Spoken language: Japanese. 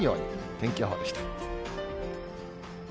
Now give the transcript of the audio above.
天気予報でした。